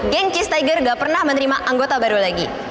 geng cheers tiger nggak pernah menerima anggota baru lagi